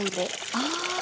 ああ。